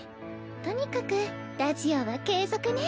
とにかくラジオは継続ね。